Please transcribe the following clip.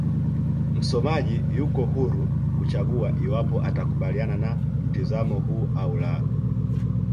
Msomaji yuko huru kuchagua iwapo atakubaliana na mtizamo huu au la